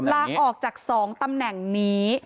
ลาออกจาก๒ตำแหน่งนี้